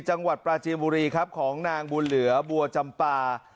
จังหวัดปราจียบุรีครับของนางบุหรือสัมปาล